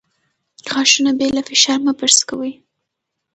غاښونه بې له فشار مه برس کوئ.